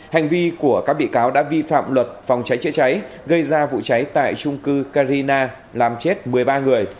hành vi của các bị cáo đã vi phạm luật phòng cháy chữa cháy gây ra vụ cháy tại trung cư carina làm chết một mươi ba người